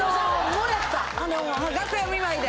もらった楽屋見舞いで。